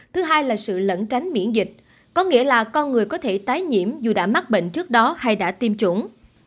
thứ hai là sự lẫn tránh miễn dịch có nghĩa là con người có thể tái nhiễm dù đã mắc bệnh trước đó hay đã tiêm chủng